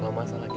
sampai jumpa lagi